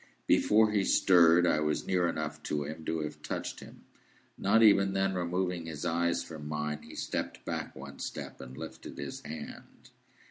Before he stirred, I was near enough to him to have touched him. Not even then removing his eyes from mine, he stepped back one step, and lifted his hand.